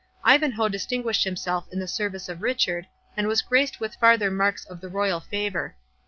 Ivanhoe distinguished himself in the service of Richard, and was graced with farther marks of the royal favour.